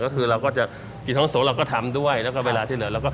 ก็คือเราก็จะกิจท้องสงฆ์เราก็ทำด้วยแล้วก็เวลาที่เหลือ